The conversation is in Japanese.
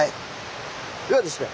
ではですね